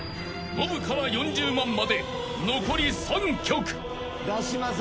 ノブから４０万まで残り３曲］